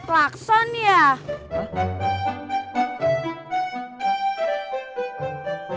kamu bisa di telpon